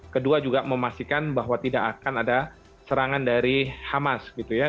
kedua juga memastikan bahwa tidak akan ada serangan dari hamas gitu ya